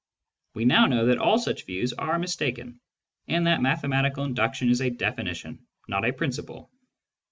We now know that all such views are mistaken, and that mathematical induction is a definition, not a principle.